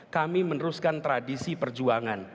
kami meneruskan tradisi perjuangan